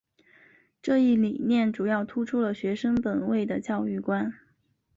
这一理念主要突出了学生本位的教育观。